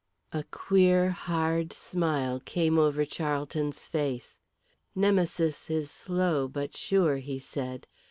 A queer, hard smile came over Charlton's face. "Nemesis is slow but sure," he said.